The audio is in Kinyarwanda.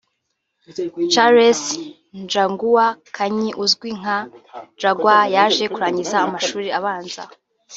Charles Njagua Kanyi uzwi nka Jaguar yaje kurangiza amashuri abanza